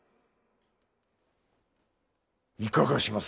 いかがします？